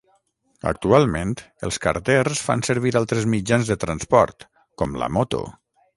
Actualment, els carters fan servir altres mitjans de transport, com la moto.